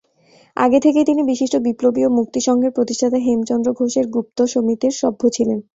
আগে থেকেই তিনি বিশিষ্ট বিপ্লবী ও মুক্তি সংঘের প্রতিষ্ঠাতা হেমচন্দ্র ঘোষের গুপ্ত সমিতির সভ্য ছিলেন।